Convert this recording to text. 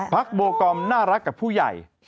โบกอมน่ารักกับผู้ใหญ่